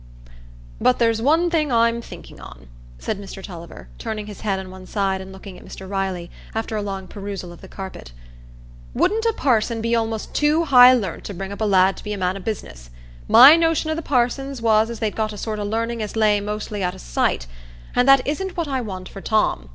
"But there's one thing I'm thinking on," said Mr Tulliver, turning his head on one side and looking at Mr Riley, after a long perusal of the carpet. "Wouldn't a parson be almost too high learnt to bring up a lad to be a man o' business? My notion o' the parsons was as they'd got a sort o' learning as lay mostly out o' sight. And that isn't what I want for Tom.